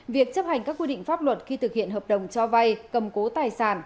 việc chấp hành các quy định pháp luật khi thực hiện hợp đồng cho vay cầm cố tài sản